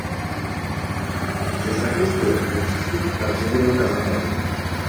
Ze sakristie je přístup na dřevěnou kazatelnu.